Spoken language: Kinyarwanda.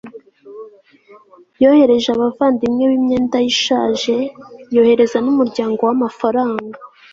yohereje abavandimwe be imyenda ye ishaje, yohereza n'umuryango we amafaranga